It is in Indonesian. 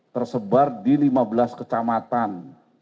tersebar di lima belas kecamatan